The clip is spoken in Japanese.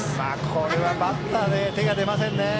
これはバッター手が出ませんね。